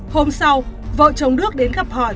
hôm sau vợ chồng đức đến gặp hỏi